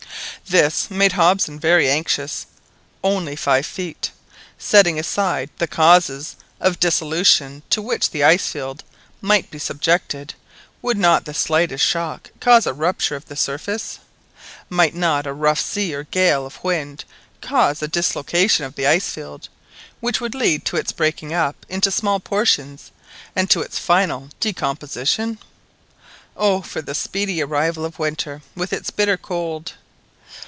This made Hobson very anxious. Only five feet! Setting aside the causes of dissolution to which the ice field might be subjected, would not the slightest shock cause a rupture of the surface? Might not a rough sea or a gale of wind cause a dislocation of the ice field, which would lead to its breaking up into small portions, and to its final decomposition? Oh for the speedy arrival of the winter, with its bitter cold!